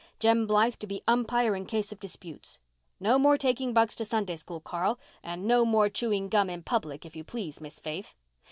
Jem Blythe to be umpire in case of disputes. No more taking bugs to Sunday School, Carl, and no more chewing gum in public, if you please, Miss Faith."